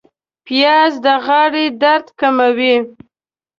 پیاز د غاړې درد کموي